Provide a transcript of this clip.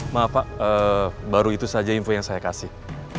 maaf pak baru itu saja info yang saya kasih